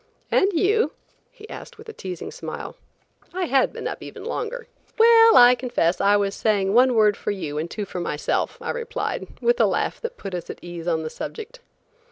"And you?" he asked with a teasing smile. I had been up even longer. "Well, I confess, I was saying one word for you and two for myself," I replied, with a laugh that put us at ease on the subject.